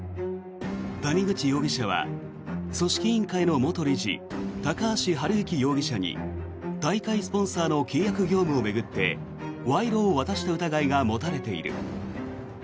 谷口容疑者は組織委員会の元理事高橋治之容疑者に大会スポンサーの契約業務を巡って賄賂を渡した疑いが持たれている。